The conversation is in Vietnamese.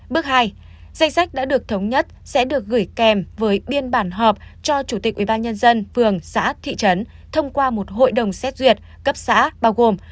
bước hai danh sách đã được thống nhất sẽ được gửi kèm với biên bản họp cho chủ tịch ubnd phường xã thị trấn thông qua một hội đồng xét duyệt cấp xã bao gồm